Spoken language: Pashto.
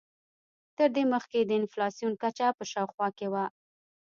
تر دې مخکې د انفلاسیون کچه په شاوخوا کې وه.